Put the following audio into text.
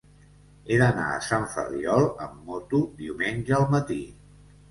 He d'anar a Sant Ferriol amb moto diumenge al matí.